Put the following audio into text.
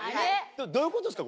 どういうことですか？